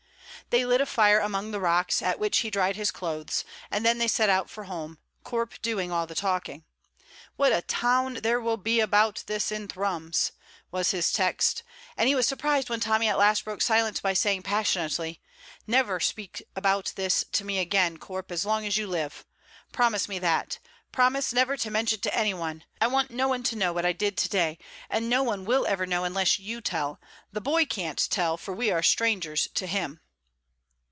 They lit a fire among the rocks, at which he dried his clothes, and then they set out for home, Corp doing all the talking. "What a town there will be about this in Thrums!" was his text; and he was surprised when Tommy at last broke silence by saying passionately: "Never speak about this to me again, Corp, as long as you live. Promise me that. Promise never to mention it to anyone. I want no one to know what I did to day, and no one will ever know unless you tell; the boy can't tell, for we are strangers to him."